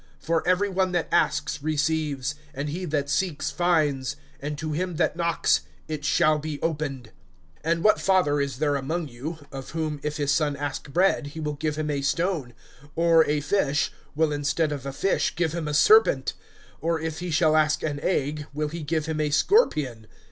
(10)For every one that asks receives; and he that seeks finds; and to him that knocks it shall be opened. (11)And what father is there among you, of whom if his son ask bread, he will give him a stone; or a fish, will instead of a fish give him a serpent? (12)Or if he shall ask an egg, will he give him a scorpion?